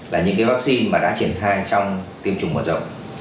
là những vaccine mà đã triển khai trong tiêm chủng mở rộng